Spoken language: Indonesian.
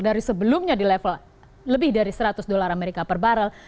dari sebelumnya di level lebih dari seratus dolar amerika per barrel